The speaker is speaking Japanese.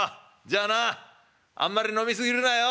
じゃあなあんまり飲み過ぎるなよ」。